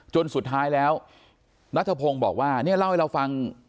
จนสุดท้ายแล้วนัทพงศ์บอกว่าเนี่ยเล่าให้เราฟัง